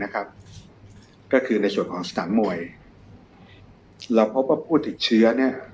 ก็คือในสถานบริการมวยเราพบว่าผู้ติดเชื้อ